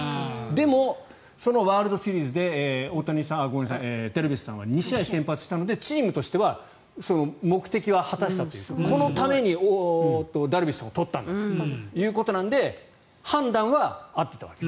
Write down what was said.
でも、そのワールドシリーズでダルビッシュさんは２試合先発したのでチームとしては目的は果たしたというかこのためにダルビッシュさんを取ったということなので判断は合っていた。